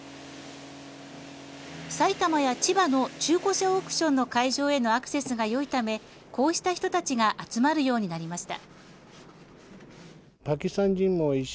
埼玉や千葉の中古車オークションの会場へのアクセスがよいためこうした人たちが集まるようになりました。